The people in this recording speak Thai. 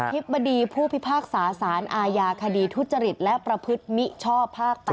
ธิบดีผู้พิพากษาสารอาญาคดีทุจริตและประพฤติมิชชอบภาค๘